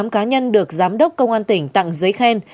bốn mươi tám cá nhân được giám đốc công an tỉnh tặng giấy khen